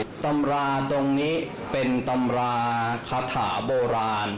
ก็เป็นเรื่องของความเชื่อความศรัทธาเป็นการสร้างขวัญและกำลังใจ